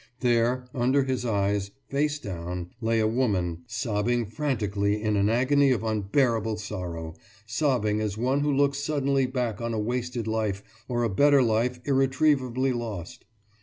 There, under his eyes, face down, lay a woman sobbing frantically in an agony of unbearable sorrow, sobbing as one who looks suddenly back on a wasted life or a better life irretrievably lost.